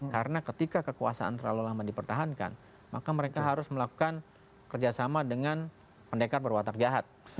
karena ketika kekuasaan terlalu lama dipertahankan maka mereka harus melakukan kerjasama dengan pendekat berwatak jahat